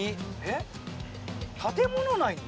「建物内に」。